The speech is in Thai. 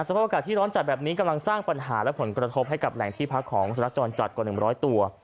สภาพอากาศที่ร้อนจัดแบบนี้กำลังสร้างปัญหาและผลกระทบให้กับแหล่งที่พักของสุนัขจรจัดกว่า๑๐๐ตัว